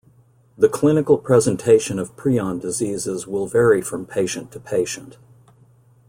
The clinical presentation of prion diseases will vary from patient to patient.